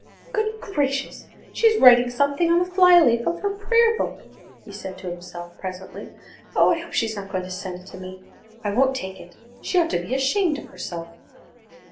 "Good gracious! she's writing something on the flyleaf of her prayer book," he said to himself presently. "I hope she's not going to send it to me. I won't take it. She ought to be ashamed of herself!"